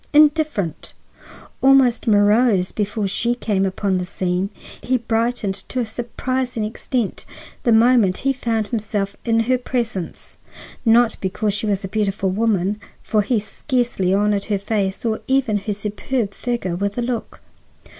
Indifferent, almost morose before she came upon the scene, he brightened to a surprising extent the moment he found himself in her presence. Not because she was a beautiful woman, for he scarcely honored her face or even her superb figure with a look.